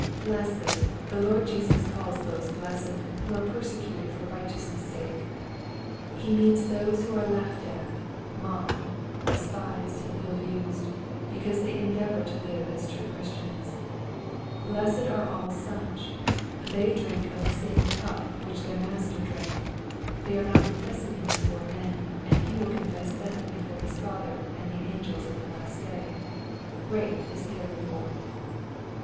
Lastly, the Lord Jesus calls those blessed, who are per secteted/or righteousness sake. He means those who are laughed at, mocked, despised, and ill used, because they endeavor to live as true Christians. Blessed are all such 1 They drink of the same cup which their Master drank. They are now confessing Him before men, and He will confess them before His Father and the angels at the last day. " Great is their reward.'